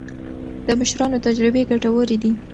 د مشرانو تجربې ګټورې دي.